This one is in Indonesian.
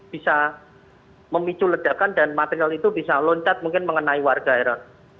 bisa memicu ledakan dan material itu bisa loncat mungkin mengenai warga heran